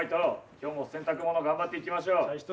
今日も洗濯物頑張っていきましょう。